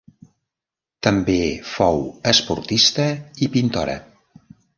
També fou esportista i pintora.